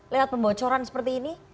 lewat pembocoran seperti ini